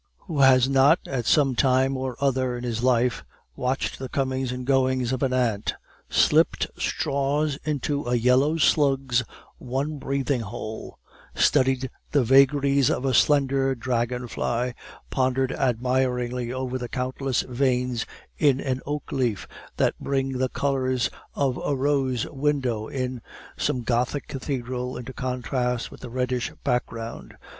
Who has not, at some time or other in his life, watched the comings and goings of an ant, slipped straws into a yellow slug's one breathing hole, studied the vagaries of a slender dragon fly, pondered admiringly over the countless veins in an oak leaf, that bring the colors of a rose window in some Gothic cathedral into contrast with the reddish background?